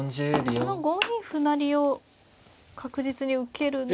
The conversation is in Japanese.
この５二歩成を確実に受けるのは。